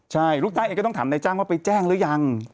ใช่ลูกจ้างเองก็ต้องถามนายจ้างว่าไปแจ้งหรือยัง